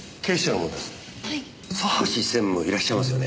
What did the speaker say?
佐橋専務いらっしゃいますよね。